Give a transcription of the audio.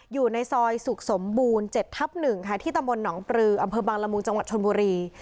อยู่ในซอยสุขสมบูรณ์๗ทับ๑ค่ะที่ตำบลหนองปลืออำเภอบังละมุงจังหวัดชนบุรี